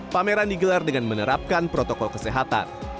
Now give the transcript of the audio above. pameran digelar dengan menerapkan protokol kesehatan